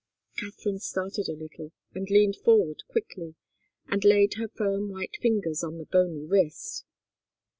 Katharine started a little, and leaned forward quickly, and laid her firm white fingers on the bony wrist.